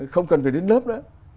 không cần phải đến lớp nữa